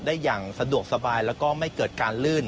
ได้อย่างสะดวกสบายแล้วก็ไม่เกิดการลื่น